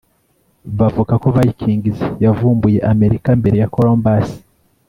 bavuga ko vikings yavumbuye amerika mbere ya columbus